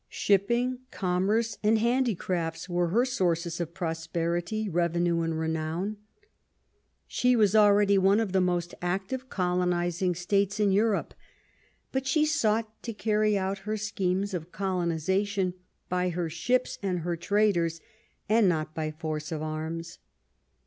Shipping, com merce, and handicrafts were her sources of prosperity, revenue, and renown. She was already one of the most active colonizing states in Europe, but she sought to carry out her schemes of colonization by her ships and her traders, and not by force of arms.